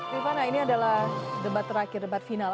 rifana ini adalah debat terakhir debat final